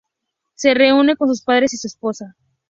Se reúne con sus padres y su esposa.